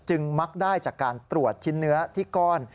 มักได้จากการตรวจชิ้นเนื้อที่ก้อน